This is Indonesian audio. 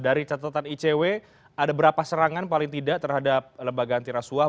dari catatan icw ada berapa serangan paling tidak terhadap lembaga antirasuah